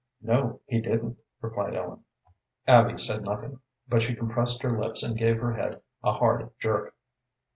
"No, he didn't," replied Ellen. Abby said nothing, but she compressed her lips and gave her head a hard jerk.